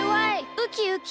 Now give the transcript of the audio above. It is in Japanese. ウキウキ！